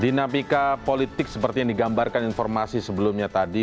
dinamika politik seperti yang digambarkan informasi sebelumnya tadi